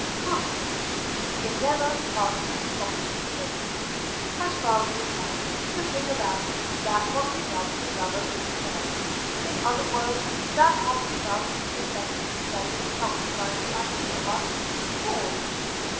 Proof. We endeavour (III. xxxiii.), as far as we can, to bring about, that what we love should love us in return: in other words, that what we love should be affected with pleasure accompanied by the idea of ourself as cause.